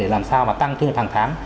để làm sao mà tăng thu nhập hàng tháng